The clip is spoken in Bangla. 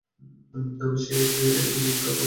আমি সেই একই ভুলটা করবো না।